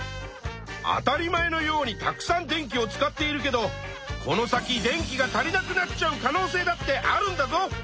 当たり前のようにたくさん電気を使っているけどこの先電気が足りなくなっちゃう可能せいだってあるんだぞ！